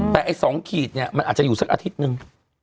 แต่๒ขีดมันอาจจะอยู่สักอาทิตย์หนึ่ง